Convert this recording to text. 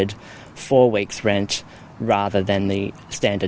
daripada uang pembayaran dua minggu standar